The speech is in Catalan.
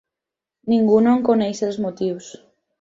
Ningú no en coneix els motius.